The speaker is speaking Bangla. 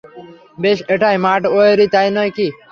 বেশ, এটাই মাড ওয়েরি, তাই নয় কি?